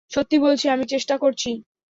সত্যি বলছি আমি চেষ্টা করছি।